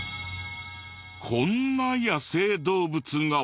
こんな野生動物が。